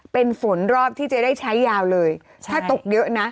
เป็นฝนรอบที่จะได้ใช้ยาวเลยถ้าตกเยอะนะ